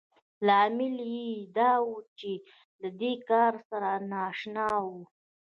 لامل يې دا و چې له دې کار سره نااشنا وو.